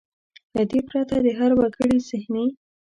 له دې پرته د هر وګړي زهني .